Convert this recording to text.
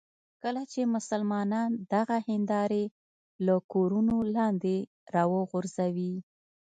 کله چې مسلمانان دغه هندارې له کورونو لاندې راوغورځوي.